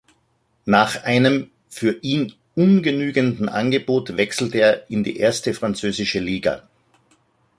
Nach einem für ihn ungenügenden Angebot wechselte er in die erste französische Liga.